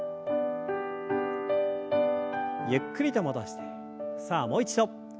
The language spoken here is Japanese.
ゆっくりと戻してさあもう一度。